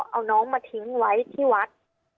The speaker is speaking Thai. เอาน้องมาทิ้งไว้ที่วัด